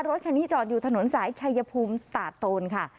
รถคันนี้จอดอยู่ถนนสายชัยภูมิตาดโตนค่ะ